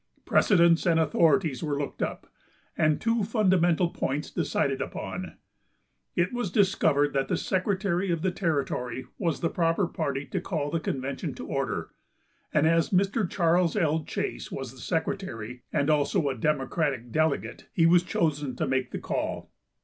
Precedents and authorities were looked up, and two fundamental points decided upon. It was discovered that the secretary of the territory was the proper party to call the convention to order, and as Mr. Charles L. Chase was the secretary, and also a Democratic delegate, he was chosen to make the call.